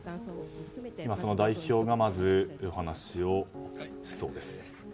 その代表が、まずお話をします。